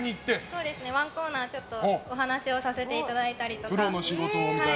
そうですね、１コーナーお話をさせていただいたりとか。